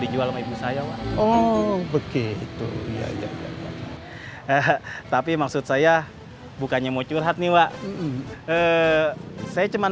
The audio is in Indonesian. dijual sama ibu saya oh begitu tapi maksud saya bukannya mau curhat nih wa eh saya cuman